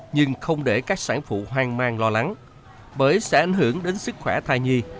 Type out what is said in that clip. nhưng không để các sản phụ hoang mang lo lắng bởi sẽ ảnh hưởng đến sức khỏe thai nhi